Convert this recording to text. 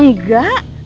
ngejar di sini ya